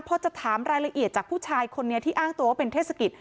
พอจะถามรายละเอียดจากผู้ชายคนนี้ที่อ้างตัวว่าเป็นเทศกิจ